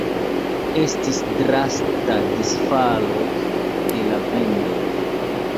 Estis drasta disfalo de la vendoj.